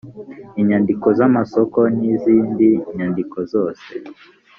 inyandiko z amasoko n izindi nyandiko zose